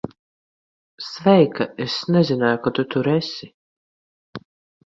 Sveika. Es nezināju, ka tu tur esi.